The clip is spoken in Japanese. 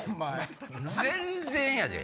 全然やで！